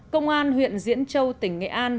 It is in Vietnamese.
công an huyện diễn châu tỉnh nghệ an